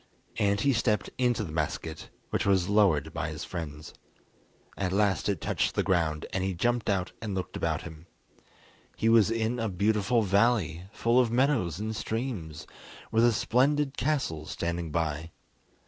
And he stepped into the basket, which was lowered by his friends. At last it touched the ground and he jumped out and looked about him. He was in a beautiful valley, full of meadows and streams, with a splendid castle standing by.